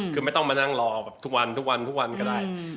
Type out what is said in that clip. คือไม่ต้องมานั่งรอแบบทุกก็ได้